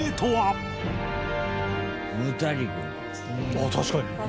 ああ確かに！